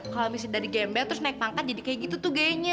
kalau misalnya dari gembel terus naik pangkat jadi kayak gitu tuh kayaknya